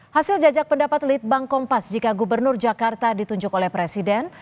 hasil jajak pendapat litbang kompas jika gubernur jakarta ditunjuk oleh presiden